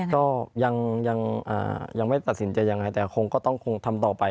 ก็ยังไม่ตัดสินใจยังไงแต่คงก็ต้องคงทำต่อไป